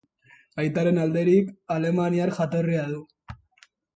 Aitaren alderik alemaniar jatorria du.